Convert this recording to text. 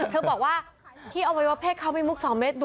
เธอบอกว่าพี่เอาไว้ว่าเพศเข้ามีมุกสองเม็ด